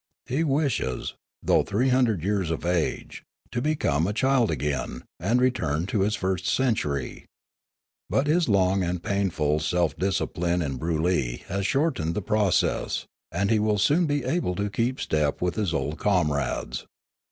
He wishes, though three hundred years of age, to become a child again and return to his first century. But his long and painful self discipline in Broolyi has shortened the process; and he will soon be able to keep step with his old com rades.